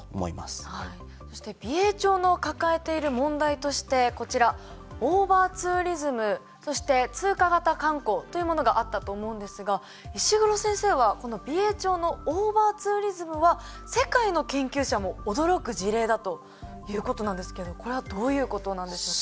そして美瑛町の抱えている問題としてこちらオーバーツーリズムそして通過型観光というものがあったと思うんですが石黒先生はこの美瑛町のオーバーツーリズムは世界の研究者も驚く事例だということなんですけどこれはどういうことなんでしょうか？